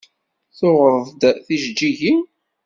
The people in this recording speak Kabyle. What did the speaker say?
Tuɣeḍ-d tijeǧǧigin?